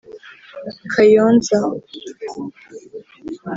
Kayonza